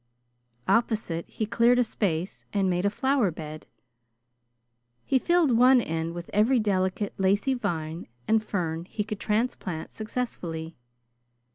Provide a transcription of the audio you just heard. Opposite, he cleared a space and made a flower bed. He filled one end with every delicate, lacy vine and fern he could transplant successfully.